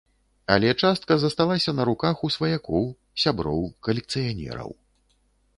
Але частка засталася на руках у сваякоў, сяброў, калекцыянераў.